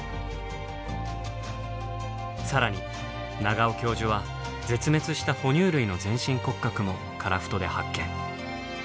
更に長尾教授は絶滅した哺乳類の全身骨格も樺太で発見。